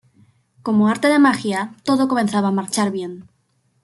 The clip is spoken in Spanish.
Como por arte de magia, todo comenzaba a marchar bien.